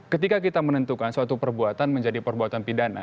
ketika kita menentukan suatu perbuatan menjadi perbuatan pidana